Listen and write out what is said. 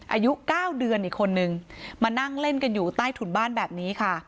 อายุ๙เดือนอีกคนนึงมานั่งเล่นกันอยู่ใต้ถุนบ้านแบบนี้ค่ะ